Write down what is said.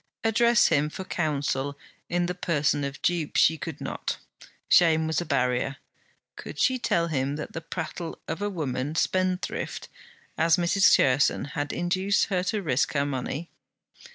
Address him for counsel in the person of dupe, she could not; shame was a barrier. Could she tell him that the prattle of a woman, spendthrift as Mrs. Cherson, had induced her to risk her money?